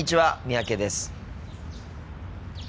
三宅です。